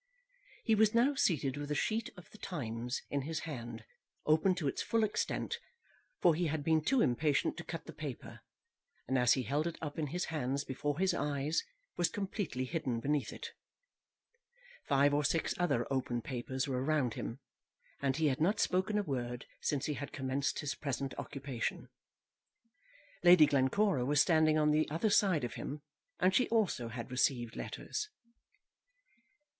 He was now seated with a sheet of The Times in his hand, opened to its full extent, for he had been too impatient to cut the paper, and as he held it up in his hands before his eyes, was completely hidden beneath it. Five or six other open papers were around him, and he had not spoken a word since he had commenced his present occupation. Lady Glencora was standing on the other side of him, and she also had received letters.